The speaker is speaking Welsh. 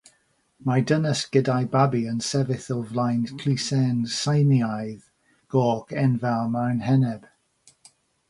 Mae dynes gyda'i babi yn sefyll o flaen llusern Tsieineaidd goch enfawr mewn heneb.